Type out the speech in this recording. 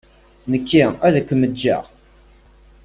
Nekki ad akem-ǧǧeɣ.